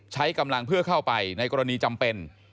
ใช้กำลังเพื่อเข้าไปในกรณีจำเป็น